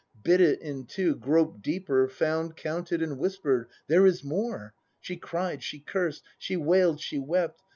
Bit it in two, groped deeper, found. Counted, and whisper'd: There is more! She cried, she cursed, she wail'd, she wept.